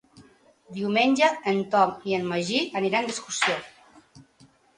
Diumenge en Tom i en Magí aniran d'excursió.